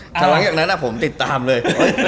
จากนั้นผมติดตามเลย